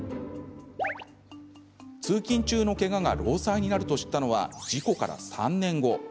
通勤中のけがが労災になると知ったのは事故から３年後。